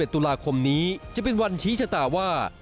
ตุลาคมนี้จะเป็นวันชี้ชะตาว่า